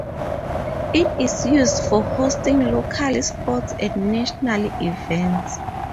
It is used for hosting local sports and national events.